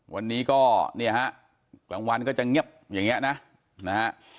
วันนี้ก็เนี่ยฮะกลางวันก็จะเงียบอย่างเงี้ยนะนะฮะ